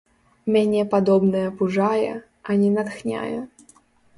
Мяне падобнае пужае, а не натхняе.